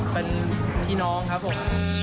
เป็นพี่น้องครับผม